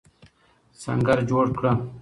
سنګر جوړ کړه.